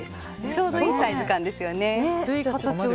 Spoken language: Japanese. ちょうどいいサイズ感ですよね。